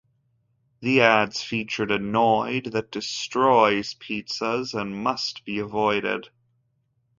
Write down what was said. The ads featured a "Noid" that destroyed pizzas and must be avoided.